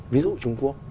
ví dụ trung quốc